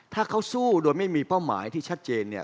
ถ้าเขาสู้โดยไม่มีเป้าหมายที่ชัดเจนเนี่ย